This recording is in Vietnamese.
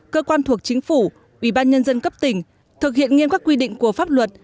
cơ quan thuộc chính phủ ủy ban nhân dân cấp tỉnh thực hiện nghiên các quy định của pháp luật